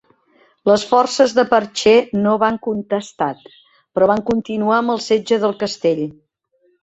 Les forces de Perche no van contestat, però van continuar amb el setge del castell.